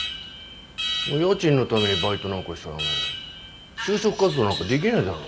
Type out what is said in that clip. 家賃のためにバイトなんかしたらお前就職活動なんかできねえだろ。